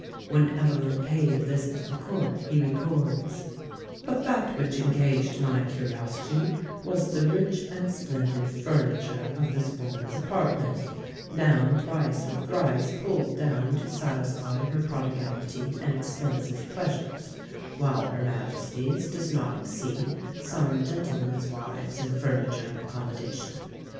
When Evelyn paid a visit to the Court he records: "But that which engaged my curiosity was the rich and splendid furniture of this woman's apartment, now twice or thrice pulled down to satisfy her prodigality and expensive pleasures; while her Majesty's does not exceed some gentlemen's wives in furniture and accommodation.